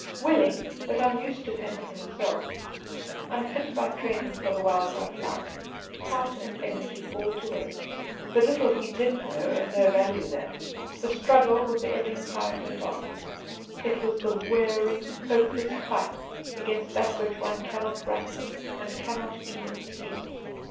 Willing, but unused to fend for himself unfit by training for the wild rough life, heart and energy all to waste, the little he did know of no value there the struggle with the ebbing tide went on; it was the wearing hopeless fight against that which one cannot grapple, and cannot even see.